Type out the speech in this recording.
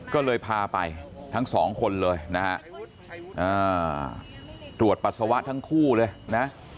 ก็เลยพาไปทั้งสองคนเลยนะฮะตรวจปัสสาวะทั้งคู่เลยนะ